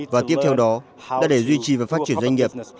và tiếp theo đó là để duy trì và phát triển doanh nghiệp